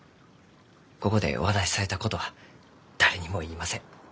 ここでお話しされたことは誰にも言いません。